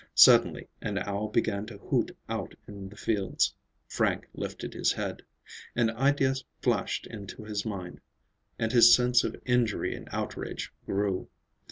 Suddenly an owl began to hoot out in the fields. Frank lifted his head. An idea flashed into his mind, and his sense of injury and outrage grew.